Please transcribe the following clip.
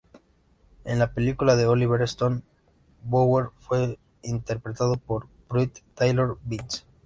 En la película de Oliver Stone, Bower fue interpretado por Pruitt Taylor Vince.